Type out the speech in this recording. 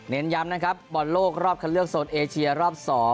ย้ำนะครับบอลโลกรอบคันเลือกโซนเอเชียรอบ๒